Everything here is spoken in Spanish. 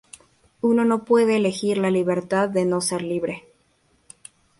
Uno no puede elegir la libertad de no ser libre.